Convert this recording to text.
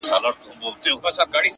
صبر د لویو هیلو ساتونکی پاتې کېږي